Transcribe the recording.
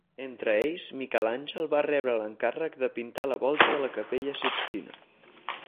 Entre ells, Miquel Àngel va rebre l'encàrrec de pintar la volta de la capella Sixtina.